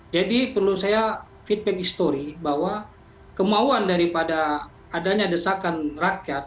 jadi perlu saya feedback history bahwa kemauan daripada adanya desakan rakyat